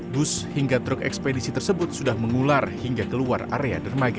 bus hingga truk ekspedisi tersebut sudah mengular hingga keluar area dermaga